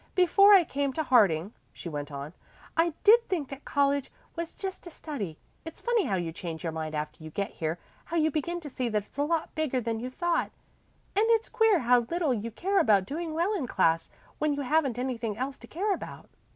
Before I came to Harding," she went on, "I did think that college was just to study. It's funny how you change your mind after you get here how you begin to see that it's a lot bigger than you thought. And it's queer how little you care about doing well in class when you haven't anything else to care about."